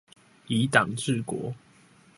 以黨治國